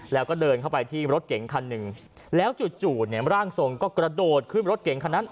แล้วก็เดินเข้าไปที่รถเก๋งคันหนึ่งแล้วจู่เนี่ยร่างทรงก็กระโดดขึ้นรถเก่งคันนั้น